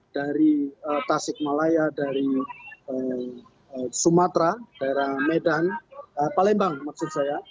dari tasik malaya dari sumatera daerah medan palembang maksud saya